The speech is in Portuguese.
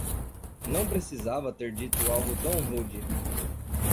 Não precisava ter dito algo tão rude